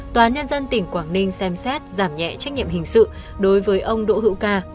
tòa nhân dân tỉnh quảng ninh xem xét giảm nhẹ trách nhiệm hình sự đối với ông đỗ hữu ca